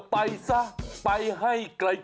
ไปซะไปให้ไกล